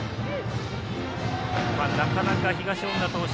なかなか、東恩納投手